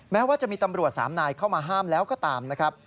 แม้ว่าจะมีตำรวจ๓นายเข้ามาห้ามแล้วก็ตามนะครับ